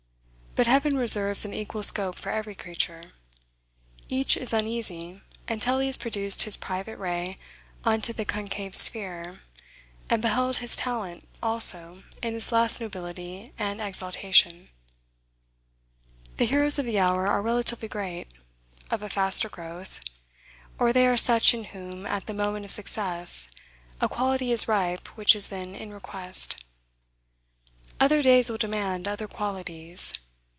But heaven reserves an equal scope for every creature. Each is uneasy until he has produced his private ray unto the concave sphere, and beheld his talent also in its last nobility and exaltation. The heroes of the hour are relatively great: of a faster growth; or they are such, in whom, at the moment of success, a quality is ripe which is then in request. Other days will demand other qualities.